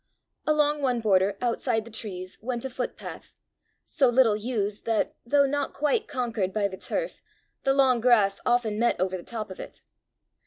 Along one border, outside the trees, went a footpath so little used that, though not quite conquered by the turf, the long grass often met over the top of it.